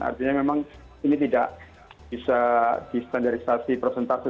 artinya memang ini tidak bisa distandarisasi prosentase